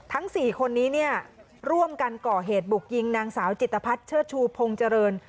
๔คนนี้เนี่ยร่วมกันก่อเหตุบุกยิงนางสาวจิตภัทรเชิดชูพงษ์เจริญ